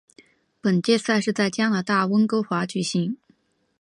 本届赛事在加拿大温哥华举行。